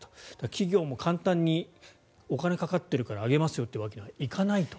企業も簡単にお金がかかっているから上げますよというわけにはいかないと。